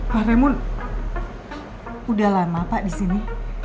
pak remun udah lama pak di sini